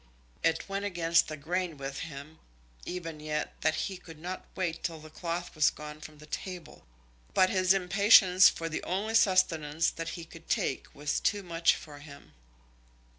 It went against the grain with him, even yet, that he could not wait till the cloth was gone from the table, but his impatience for the only sustenance that he could take was too much for him.